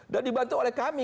dan dibantu oleh kami satu dua